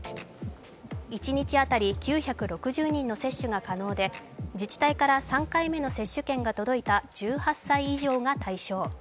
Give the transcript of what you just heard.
一日当たり９６０人の接種が可能で自治体から３回目の接種券が届いた１８歳以上が対象。